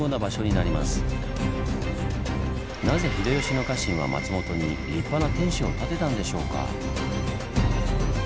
なぜ秀吉の家臣は松本に立派な天守を建てたんでしょうか？